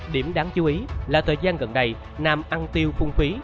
điểm đáng chú ý là thời gian gần đây nam tiêu phung phí